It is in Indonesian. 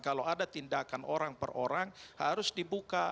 kalau ada tindakan orang per orang harus dibuka